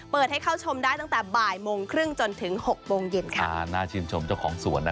เปิดให้เข้าชมได้ตั้งแต่บ่ายโมงครึ่งจนถึงหกโมงเย็นค่ะอ่าน่าชื่นชมเจ้าของสวนนะ